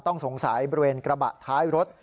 ต้องสงสัยบริเวณกระบะท้ายรถ